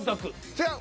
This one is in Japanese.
違う。